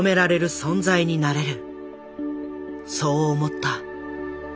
そう思った。